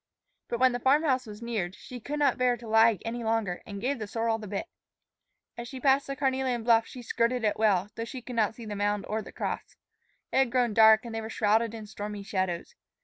But when the farm house was neared, she could not bear to lag any longer, and gave the sorrel the bit. As she passed the carnelian bluff, she skirted it well, though she could not see the mound or the cross. It had grown dark and they were shrouded in stormy shadows.